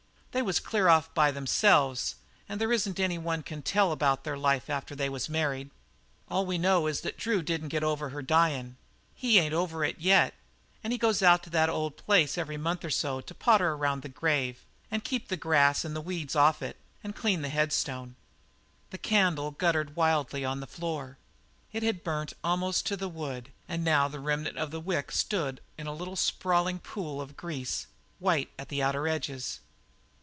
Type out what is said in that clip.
They was clear off by themselves and there isn't any one can tell about their life after they was married. All we know is that Drew didn't get over her dyin'. He ain't over it yet, and goes out to the old place every month or so to potter around the grave and keep the grass and the weeds off of it and clean the head stone." The candle guttered wildly on the floor. It had burnt almost to the wood and now the remnant of the wick stood in a little sprawling pool of grease white at the outer edges.